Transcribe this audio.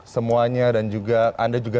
semuanya dan juga anda juga